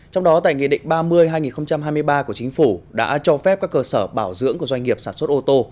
trong đó tại nghị định ba mươi hai nghìn hai mươi ba của chính phủ đã cho phép các cơ sở bảo dưỡng của doanh nghiệp sản xuất ô tô